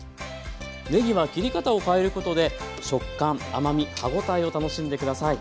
ねぎは切り方を変えることで食感甘み歯応えを楽しんで下さい。